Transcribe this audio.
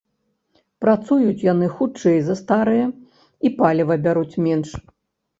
Працуюць яны хутчэй за старыя, і паліва бяруць менш.